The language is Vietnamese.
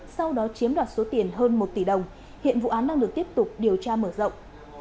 sau đó chiếm đoạt số tiền hơn một tỷ đồng hiện vụ án đang được tiếp tục điều tra mở rộng